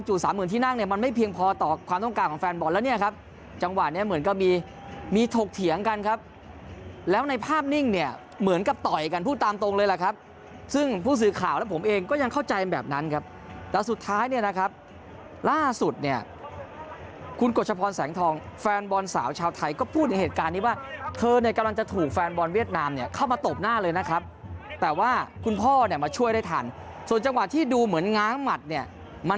จริงจริงนะครับซึ่งผู้สื่อข่าวแล้วผมเองก็ยังเข้าใจแบบนั้นครับแล้วสุดท้ายเนี่ยนะครับล่าสุดเนี่ยคุณกฎชพรแสงทองแฟนบอลสาวชาวไทยก็พูดเหตุการณ์นี้ว่าเธอกำลังจะถูกแฟนบอลเวียดนามเนี่ยเข้ามาตบหน้าเลยนะครับแต่ว่าคุณพ่อเนี่ยมาช่วยได้ทันส่วนจังหวะที่ดูเหมือนง้างหมัดเนี่ยมั